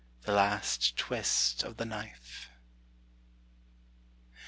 â The last twist of the knife.